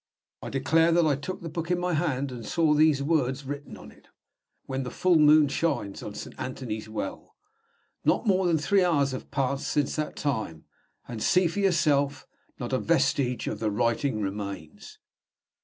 I declare that I took the book in my hand, and saw these words written in it, 'When the full moon shines on Saint Anthony's Well.' Not more than three hours have passed since that time; and, see for yourself, not a vestige of the writing remains."